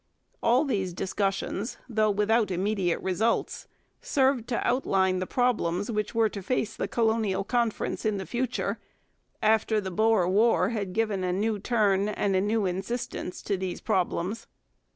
All these discussions, though without immediate results, served to outline the problems which were to face the Colonial Conference in the future after the Boer War had given a new turn and a new insistence to these problems.